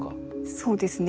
そうですね。